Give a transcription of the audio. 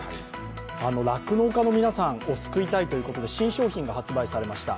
酪農家の皆さんを救いたいということで新商品が発売されました。